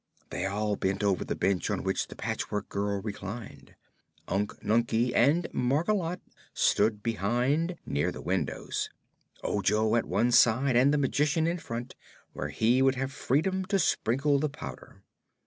They all bent over the bench on which the Patchwork Girl reclined. Unc Nunkie and Margolotte stood behind, near the windows, Ojo at one side and the Magician in front, where he would have freedom to sprinkle the powder.